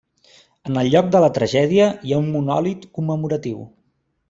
En el lloc de la tragèdia hi ha un monòlit commemoratiu.